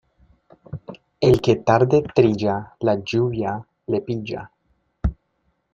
El que tarde trilla, la lluvia le pilla.